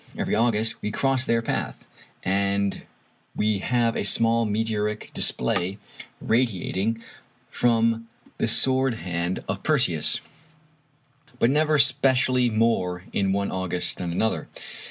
Every August we cross their path, and we have a small meteoric display radiating from the sword hand of Perseus, but never specially more in one August than another.